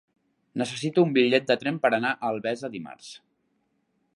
Necessito un bitllet de tren per anar a Albesa dimarts.